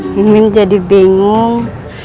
mimin jadi bingung